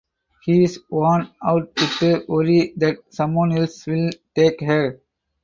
He is worn out with worry that someone else will take her.